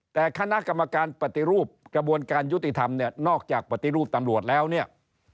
แต่คณะกรรมการปฏิรูปกระบวนการยุติธรรมเนี่ยนอกจากปฏิรูปตำรวจแล้วเนี่ย